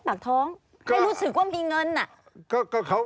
ปากท้องให้รู้สึกว่ามีเงินอ่ะ